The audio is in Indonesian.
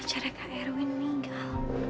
tujar ya kak erwin meninggal